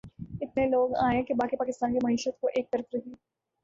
اتنے لوگ آئیں کہ باقی پاکستان کی معیشت تو ایک طرف رہی